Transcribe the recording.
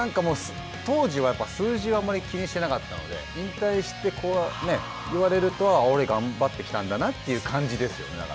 当時は数字はあまり気にしていなかったので引退してから言われると俺、頑張ってきたんだなって感じですよね。